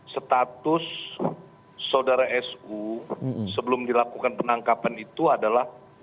status saudara su sebelum dilakukan penangkapan itu adalah